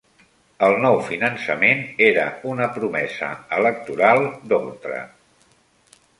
El nou finançament era una promesa electoral d'Oltra